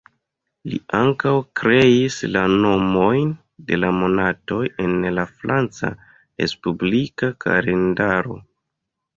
Li ankaŭ kreis la nomojn de la monatoj en la Franca respublika kalendaro.